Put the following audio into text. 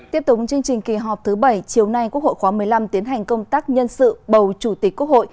tiếp tục chương trình kỳ họp thứ bảy chiều nay quốc hội khóa một mươi năm tiến hành công tác nhân sự bầu chủ tịch quốc hội